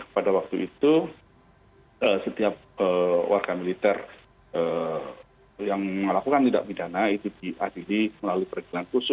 pada waktu itu ketika dibentuk